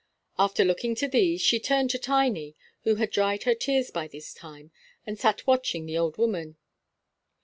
After looking to these, she turned to Tiny, who had dried her tears by this time, and sat watching the old woman.